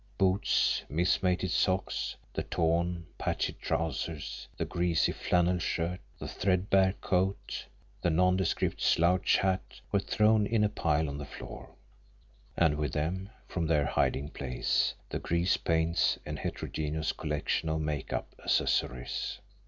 Boots, mismated socks, the torn, patched trousers, the greasy flannel shirt, the threadbare coat, the nondescript slouch hat were thrown in a pile on the floor; and with them, from their hiding place, the grease paints and heterogeneous collection of make up accessories.